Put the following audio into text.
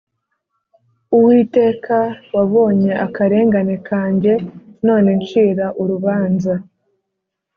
Uwiteka, Wabonye akarengane kanjye, None ncira urubanza.